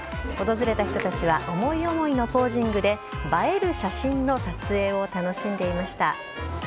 訪れた人たちは思い思いのポージングで、映える写真の撮影を楽しんでいました。